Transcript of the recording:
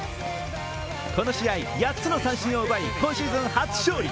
この試合、８つの三振を奪い、今シーズン初勝利。